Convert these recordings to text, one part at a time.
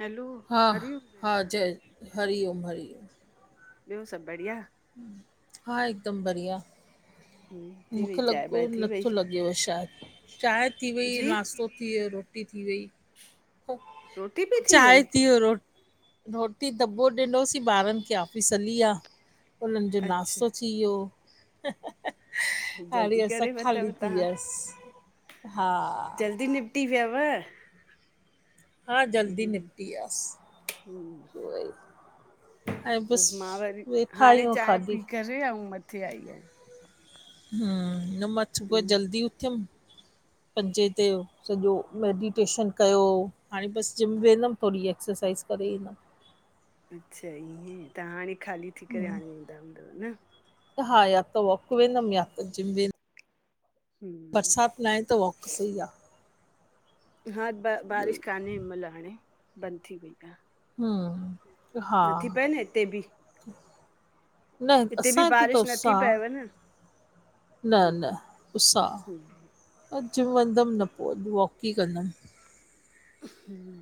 Hello हरिओम हा-हा भेण जय, हरिओम-हरिओम ॿियो सभ बढ़िया? हा हिकदम बढ़िया। हम्म, थी वई मुखे चांहि लॻो बांहि थी वई नथो लॻे शायद। चांय थी वई, जी नाश्तो थी वियो, रोटी थी वई। [inaudible] रोटी बि वई चांय थी वयो, रोटी रोटी त पो ॾिनोसीं ॿारन खे ऑफीस हली वया उनन जो अच्छा नास्तो थी वेयो। जल्दी हाणे असां करे वतव ख़ाली थी तव्हां वयास, हा [unintelligible] हा जल्दी हम निपटी वियासीं ह उहोई ऐं हम मां वरी बसि वेठा हाणे आहियूं चांय खाली पी करे ऐं मथे आई आहेयां। हम न मां सुबुह हम्म, जल्दी उथयम, पंजेे ते सॼो मैडिटेशन कयो हाणे बस जिम वेंदम थोरी एक्सरसाइज़ करे, ईंदम। अच्छा ईअं, तहां हाणे ख़ाली थी करे आणिंदा हूंदव न। हा, या त वॉक वेंदम या त जिम वे हम्म, बरसात न आए त वॉक सई आ। हा, ब बारिश कान्हे हिन मइल हाणे, बंद थी वई आ। हम्म हा नथी पए न हिते बि। न, बि असां हिते बारिश त उस्स नथी आ। पएव न न न, हम्म उस्स आ। हम्म जिम वंदम न पोए, वॉक ई कंदम। हम्म।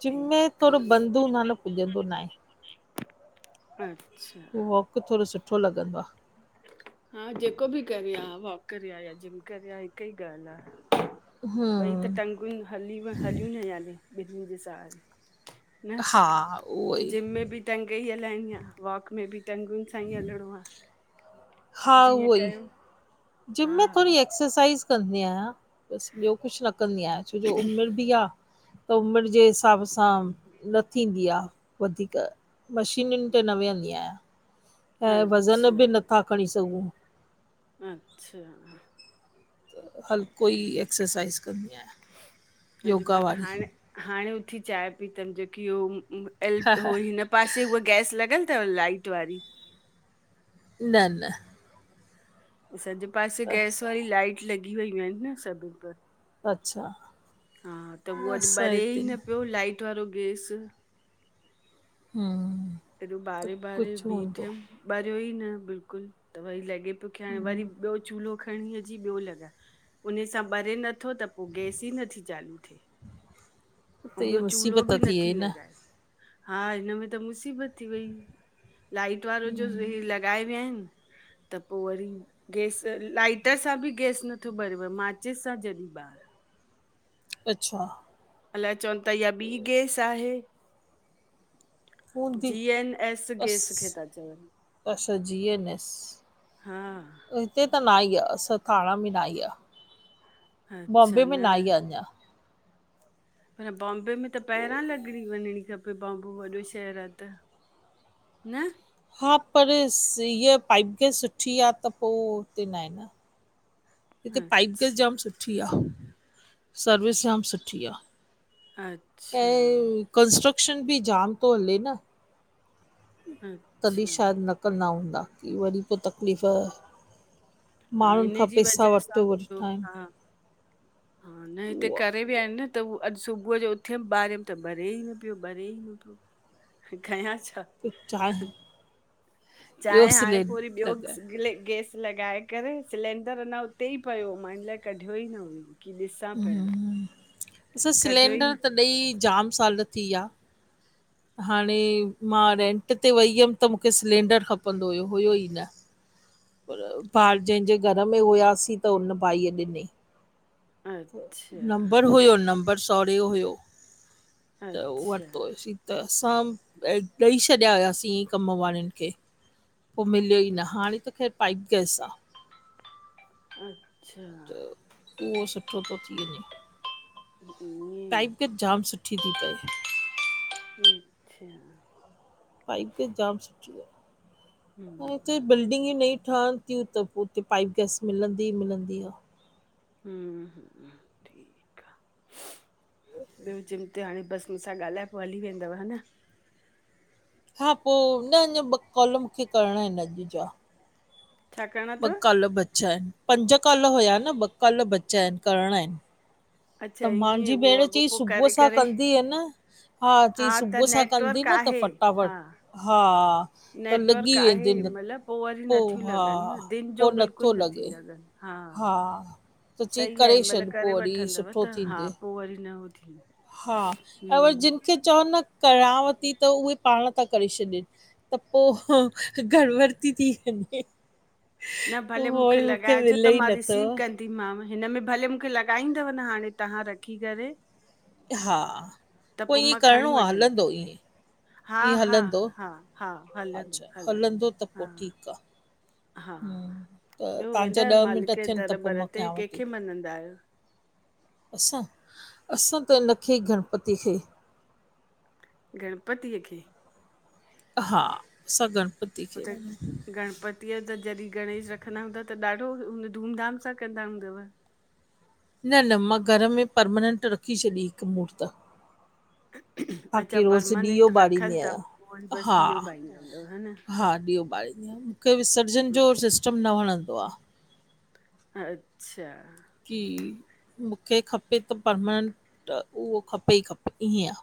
जिम में ठीकु आ। थोड़ो बंद हूंदो आ न पुॼंदो न आए। अच्छा। मूंखे थोड़ो सुठो लॻंदो आ। हा जेको बि कर, हा वॉक कर या जिम कर या हिकु ई ॻाल्हि आ। [inaudible] ॿई हम्म त टंगुन हली हलीयूं न याने ॿिनिन जे सहारे। न! हा उहो ई जिम में बि टंग ई हलाइणी आ, वॉक में बि टंगुनि सां ई हलणो आ। हा जीअं उहो ई कयो। जिम हा में थोड़ी एक्सरसाइज कंदी आहियां। बस ॿियो कुछ न कंदी आहियां, छो जो उमिर बि आ। त उमिर जे हिसाब सां न थींदी आ वधीक। मशीनयुनि ते न वियंदी आहयां ऐं वज़न अच्छा बि नथा खणी सघूं। अच्छा। हल्को ई ठीक एक्सरसाइज़ कंदी आहियां आ। अॼु योगा मां त वारी, हाणे हाणे उथी चांय पीतम, जेकी उ हो हिन पासे उहा गैस लॻियल थव लाइट वारी? न न। असां जे पासे गैस अस वारी लाइट लॻी वयूं आहिन न सभिन पर। अच्छा। हा, त उहो न अॼु असां ॿरे ई हिते न पियो लाइट वारो गैस! हम्म। हेॾो त ॿारे ॿारे कुझु भी हूंदो थियम, ॿरियो ई न बिल्कुल, त वई लॻे प तोखेे हाणे वरी ॿियो चूल्हो खंणी अची ॿियो लॻायो, हुनसां ॿरे नथो त पो गैस ही नथी चालू थिए। त अंउ ॿियो इहा चूल्हो मुसीबत बि थी नथी वई न लॻाए। हा हिनमें त मुसीबत थी वई, लाइट वारो जो लॻाए विया आहिन त पो वरी गैस लाइटर सां बि गैस नथो ॿरेव, माचिस सां जॾहिं ॿार। अच्छा। अलाए चवन था इहा ॿी गैस आहे। हूंदी जी एन एस गैस खे बसि था चवन। अच्छा जी एन एस हा। हिते त न आई आ, असां थाणा में ना आई आ अच्छा बॉम्बे में न ना आई आ अंञा। पर बॉम्बे में त पहिरां लॻणी वंञिणी खपे। बम्बो वॾो शहरु आ त, न। हा पर हीअ पाइपगैस सुठी आ त पो हुते न आहे न। हिते पाइपगैस अच्छा जाम सुठी आ, सर्विस जाम सुठी आ। अच्छा ऐं कंस्ट्रक्शन बि जाम थो हले न तॾहिं अच्छा शायद न कंदा हूंदा, की वरी पो तकलीफ़ हा माण्हुन इन खां जी पेसा वजह सां वठी हूंदो वठता आहिन हा हा, न हिते करे विया आहिन न त अॼ सुबुह जो उथयम ॿारियम त ॿरे ई न पियो ॿरे ई न पियो, कयां छा? चाहे ॿियो चाहे हाणे पो वरी सिलेंडर ॿियो लॻाए गैस लॻाए करे सिलेंडर अञा उते ई पियो, मां हिन लाइ कढियो ई न हुयो की ॾिसां पहिरियो असां सिलेंडर त ॾेइ जाम साल थी विया हाणे मां रेंट ते वई हुयम त माखे सिलेंडर खपंदो हुओ, हुयो ई न पर ॿार जंहिंजे घर में हुआसीं त हुन भाई ॾिनई अच्छा नंबर हुयो नंबर सहुरे जो हुयो। त अच्छा वरि तो हुओसी त असां ॾेई छॾिया हुआसीं कम वारनि खे पो मिलियो ई न हाणे त ख़ैरु पाइप गैस आ। अच्छा त उहो सुठो थो थी वञे पाइप गैस जाम सुठी थी पए ईअं [unintelligible] पाइपगैस जाम सुठी आहे ऐं हम्म हिते बिल्डिंगियूं नई ठहन ती त पो उते पाइप गैस मिलंदी ई मिलंदी आ हम ठीक आ, ॿियो जिम ते हाणे बस मुसा ॻाल्हाए पो हली वेंदव? हा हा पो न अञा ॿ कॉल मुखे करणा आहिन, अॼ जा छा करिणो ॿ अथव काल ॿचा आहिन, पंज काल हुया न ॿ काल, चया आहिन करिणा आहिन। त अच्छा ईअं मांजी उहो भेण अॻो चई पो सुबुह करे सां करे कंदीए न हा चईं त सुबुह सां कंदी नेटवर्क न त आहे फटाफट, हा हा त लॻी नेटवर्क आहे वेंदई न मतिलबु वरी पो नथियूं हा, लॻनि न दिन जो पोइ नथो बिल्कुलु लॻे नथियूं लॻनि हा त चई सही आहे करे हिन छॾ महिल पो करे वरी वठंदव सुठो त हा थींदइ, पो वरी न हो थी हा अगर हम्म जिन खे चओ न कयांव थी, त उहे पाण था करे छॾन त पो, गड़बड़ ती थी वञे। न भले मुखे वरी मूंखे लॻाइजो, मिले त ई मां नथो। रिसीव कंदीमांव, हिनमें भले मुखे लॻाईंदव न हाणे तव्हां रखी करे। हा, पो ईअं करणो आ हलंदो ईएंं? हा-हा-हा-हा हलंदो अच्छा हलंदो त हा पोइ ठीकु आहे। हा, हम्म, त ॿियो तव्हांजा वेंदा आहियो ॾह मिंट मालिक जे थियनि त दर पोइ वर मां ते कयांव कंहिंखे मञदा आहियो? असां-असां त हिनखे गणपति खे गणपतीअ खे? हा सदर हुते गण पतीअ त जॾहिं गणेश रखंदा हूंदाव त ॾाढो हुन धूमधाम सां कंदा हूंदव? न-न मां घर में परमनेंट रखी छॾी हिकु मूरती अच्छा बाकी रोज़ ॾीओ परमानेंट रखियल ॿारंदी अथव आहिया, पोइ वरी बसि हा ॾीओ पाईंदा हूंदव न हा ॾीओ ॿारींदी, मुखे विसर्जन जो सिस्टम न वणंदो आ। अच्छा की मुखे खपे त परमनेंट उहो खपे ई खपे ईअं आ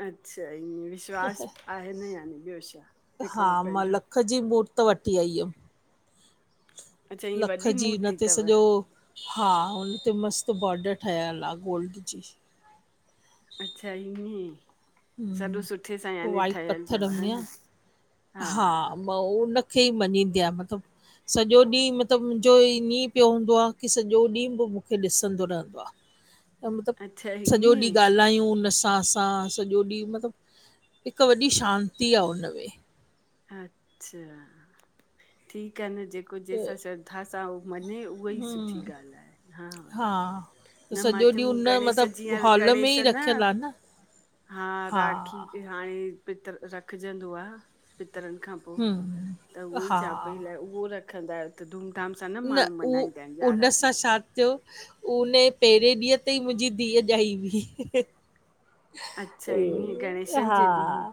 अच्छा ईअं विश्वास आहे न यानी ॿियो छा। हा हिकिड़ो मां पंहिंजो लख जी मूर्त वठी आई हुयमि। अच्छा हीअ लख वॾी जी हुन मूर्ति ते तव सॼो हा हुन ते मस्तु बॉडर ठहियलु आ गोल्ड जी। अच्छा ईअ, सॼो हम्म, सुठे सां पोइ यानी वाइट ठहियल तव पत्थर ह में आहे न? हा मां उनखें ही मञींदी आहियां मतिलबु सॼो ॾींहुं मतिलबु मुंहिंजो ईअं पियो हूंदो आ, की सॼो ॾींहुं बि मूंखे ॾिसंदो रहंदो आ। [inaudible] अच्छा मतिलबु सॼो ईअं ॾींहुं ॻाल्हायूं हुन सां हा सॼो ॾींहुं मतिलबु हिक वॾी शांती आ हुनमें। अच्छा! ठीकु आ न जेको त जंहिंसां श्रद्धा सां उहो मञे उ उहा ई सुठी हम्म, ॻाल्हि आहे। हा त न सॼो मां ॾींहुं चयमूं उन गणेश मतिलबु जीअं हॉल में गणेश ई न रखियल आ हा राखी ते हाणे पितर रखजंदो आ पितरनि खां पो हम्म, त उहो ई हा, चवां पई अलाइ उहो रखंदा आहियो। त धूमधाम सां न माण्हू मनाईंदा आहिनि उन यारहां सां ॾींहुं। छा थियो? उन पहिरें ॾींहुं ते ही मुंहिंजी धीअ ॼाई हुई। अच्छा ईअं गणेशन जे ॾींहुं हा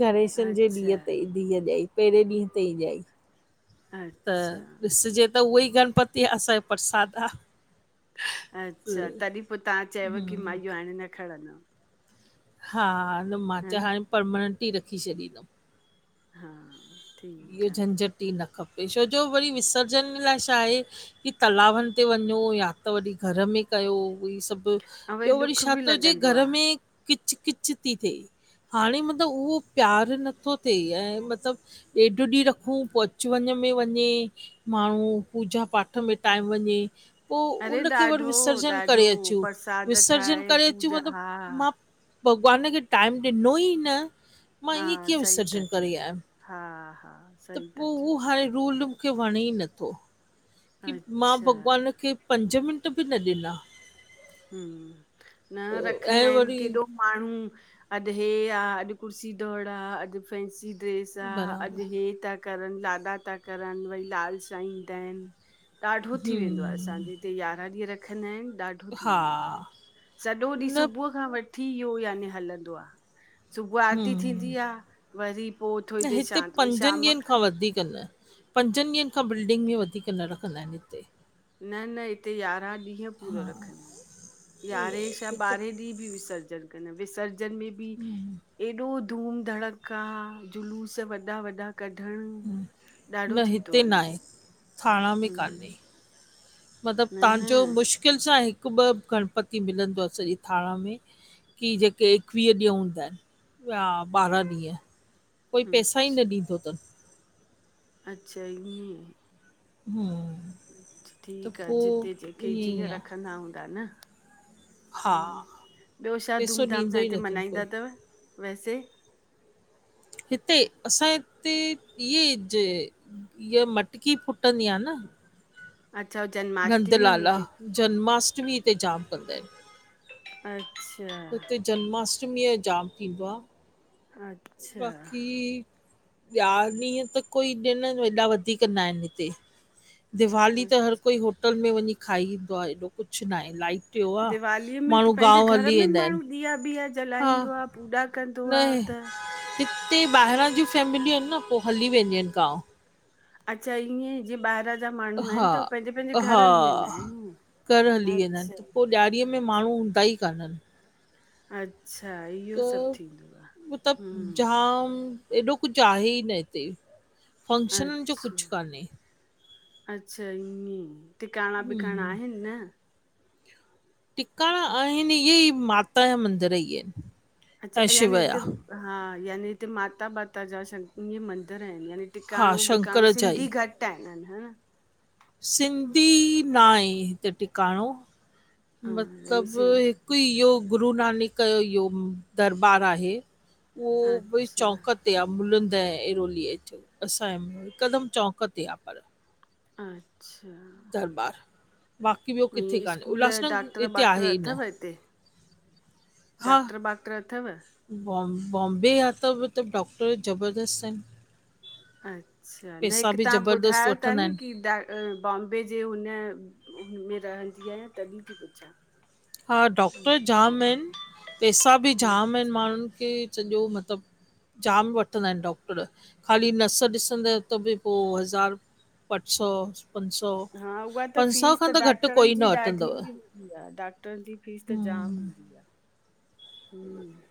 गणेशनि जे अच्छा ॾींहुं ते ही धीअ ॼाई पहिरें ॾींहुं ते ही ॼाई त अच्छा ॾिसजे त उहोई गणपति असांजो प्रसाद आ। अच्छा तॾहिं पो तव्हां चयव की मां हम्म, इहो हाणे न खणंदमि? हा न मां च्यो त हाणे परमनेंट ई रखी छॾींदमि। हा इहो ठीकु आहे न झंझटि ही न खपे छो जो वरी विसर्जन लाइ छा आहे की तलाउनि ते वञो या त वरी घर में कयो इहे सभ ऐं ॿियो वरी ॾुख छा बि थो हुजे लॻंदो घर आहे में किच किच थी थिए। हाणे मतिलबु उहो प्यारु नथो थिए ऐं मतिलब ॾेढु ॾींहुं रखूं पो अचु वञ में वञे माण्हू पूजा पाठ में टाइम वञे पो अरे उनखे वरी ॾाढो विसर्जन ॾाढो करे अचूं। परसाद विसर्जन ठाहे करे अचूं पूजा मतिलब हा मां भॻवान खे टाइम ॾिनो ही न मां हा ईअं कीअं सही था विसर्जन चओ करे आहियमि। हा हा त सही पो था उहो चओ हाणे रूल मूंखे वणे ई न थो। की मां अच्छा भॻवान खे पंज मिंट बि न ॾिना। हम्म न रखंदा ऐं आहिनि वरी केॾो माण्हू अजु हे आ अॼु कुर्सी दौड़ आ अॼु फैंसी ड्रेस आ बराबरि अॼु हे ता करनि, लाॾा था करनि, वरी लाल सां ईंदा आहिनि। ॾाढो थी वेंदो आहे हम्म, असांजे यारहां ॾींहं रखंदा आहिनि। ॾाढो थी हा वेंदो आ सॼो ॾींहुं न सुबुह खां वठी ठी वियो यानि हलंदो आ। सुबुह आरती थींदी हम्म, आ, वरी पो थोरी देरि शांति, वरी शाम खां कल पंजंनि ॾींहंनि खां बिल्डिंग में वधीक न रखंदा हिनि हिते। न न हिते यारहां ॾींहं पूरो हा, रखंन यारहें छा ॿारहें ॾींहुं ॿि विसर्जन कन्दायुं विसर्जन जन में ॿि एॾो धूम धड़क्का जुलूस वॾा। वॾा। कढण न, हिते ॾाढो न थी तो हिते न वंञ। आहे थाणा में कान्हे मतिलबु तव्हांजो मुश्किल सां हिकु ॿ, गणपति मिलंदो आ सॼे थाणा में। की जेके इकवीह ॾींहं हुंदाइन या ॿारहां ॾींहं। कोई पैसा ई न अच्छा ॾींदो तनि। अच्छा ईंञ्हें। हुं। ठीक आ जिते जेके ईअं ई जीअं आहे रखंदा हुंदा न। हा हुं ॿियो छा पैसो धूम धाम ॾींदो सां ई हिते न अथनि कोई मनाईंदा तव वैसे। हिते असांॼे इते, इहे, जे। ईअ, मटकी फुटंदी आ न। अच्छा? ओ जन्म नंदलाला जन्माष्टमी हिते जाम कंदा इन। अच्छा। जन्माष्टमीअ ॼो जाम थींदो आ। हा [inaudible] बाक़ी ॿिया ॾींहं त कोई ॾिण। एॾा वधीक ना हिनि हिते। दिवाली त हर कोई होटल में वंञीं खाई ईंदो आ। एॾो कुछु नाए लाइ दिवालीअ में त पंहिंजे घर में वेंदा आहिनि माण्हूं। ॾीया ॿीया हा जलाईंदो आ पूॼा कंदो न आ त। हिते ॿाहिरां ज्यूं फैमिलियूं इनि न पो हली वेंदियूं इन गांव। अच्छा ईंञ्हें जीअं ॿाहिरां जा माण्हूं आहिनि हा त पंहिंजे, पंहिंजे घर हा हली वेंदा हिनि। घर हली वेंदा हिनि त पो ॾियारीअ में माण्हूं हूंदा ई कान्हनि। अच्छा। ई। त मतिलब ॼाम एॾो कुझु आहेई न हिते। फंक्शननि जो अच्छा। कुझु कान्हे अच्छा ईंञ्हें। टिकाणां ॿिकाणां हम्म आहिनि न। टिकाणां आहिनि इहे ई माता ॼा मंदिर ई एन। अच्छा। यानि हिते हा यानि हिते माता ॿाता जा शक इंञें मंदिर हिनि यानि। हा टिकाणों ॿिकाणों शंकर जा सिंधी ई घटि आहिनि हन? सिंधी ना हे हिते टिकाणों हा यानी मतिलब। सिं हिकु ईह्यो गुरु नानक जो इह्यो दरबारु आहे। उहो भि अच्छा चौंक इते मुलूंड ऐं अरोली जे चौंक असांॼो हिकदमि चौक ते आ पर। अच्छा। ॿार, बाक़ी ॿियो किथे ईअं कान्हे स्कूल उल्हासनगर डॉक्टर इते वाक्टर आहेई न। डाक्टर ॿाक्टर अथव? बॉम्ब, बॉम्बे आ त मतिलब डॉक्टर ज़बरदस्त आहिनि। अच्छा। न पैसा हिकु बि तव्हां ज़बरदस्त ॿुधायो ता वठंदा न आहिनि की डाक् अ बॉम्बे जे हुन में रहंदी आहियां तॾिहिं ती पुछां। हा डॉक्टर अच्छा जाम आहिनि। पैसा ॿि जाम आहिनि अच्छा माण्हुनि खे। सॼो मतिलब। जाम वठंदा आहिनि डॉक्टर। ख़ाली नस ॾिसंदए त ॿि पो हज़ार। अठ् सौ पंज सौ हा उहा त पंज सौ खां त घटि कोई न वठंदव। डॉक्टरन जी फीस त जाम हम्म, हुंदी आ हम्म।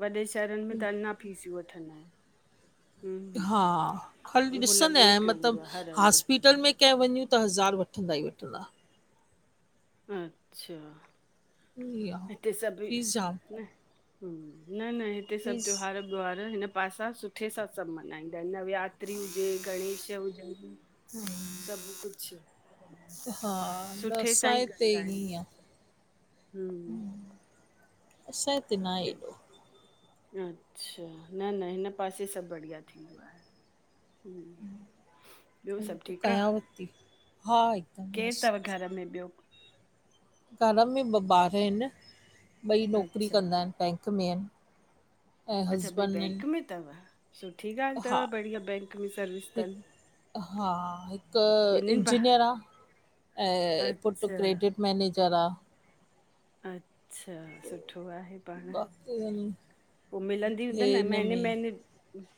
वॾे शहरनि में त अञां फीसियूं वठंदा हिनि। हा खाली लॻो ई ॾिसंदाइन पियो हूंदो आहे मतिलबु हर हंधि हॉस्पि होटल में कंहिं वञूं त हज़ार वठंदा ई वठंदा। अच्छा ईअं आहे, हिते सभेइ फीस जाम न न न हिते सभु फीस त्योहार त्यौहार हिन पासा सुठे सां सभु मञाईंदा आहिनि। नवरात्री हुजे गणेश हुजनि। सभु कुझ हा, न सुठे सां असांजे ही हिते कंदा ईअं आहिन। ई आहे, हम् असांजे हिते न आहे एॾो। अच्छा न न हिन पासे सभु बढ़िया थींदो आहे। हम्म ॿियो सभु पो ठीकु आहे कयांवथी हा आहे। केरु तव घर में ॿियो? घर में ॿ ॿार इनि ॿई नौकरी अच्छा कंदा आहिनि बैंक में आहिनि। ऐं अच्छा ॿई हस्बैंड आहिनि बैंक में तव? सुठी ॻाल्हि हा तव बढ़िया बैंक में सर्विस अथनि। हिकु हा हिकु ॿिन्हिनि भा इंजीनियर आ ऐं पुट अच्छा क्रेडिट मैनेजर आ। अच्छा सुठ सुठो आहे पाण। बाक़ी हे पो मिलंदियूं हूंदन न हिन महिने में महिने